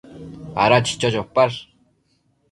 Ada chicho chopash ?